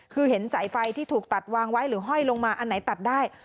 คือเห็นสายไฟที่ถูกตัดวางไว้หรือห้อยลงมาอันไหนตัดได้